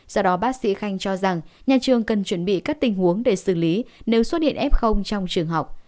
do đó bác sĩ khanh cho rằng nhà trường cần chuẩn bị các tình huống để xử lý nếu xuất hiện f trong trường học